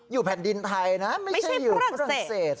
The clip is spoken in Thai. แผ่นดินไทยนะไม่ใช่อยู่ฝรั่งเศส